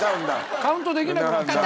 カウントできなくなっちゃうの。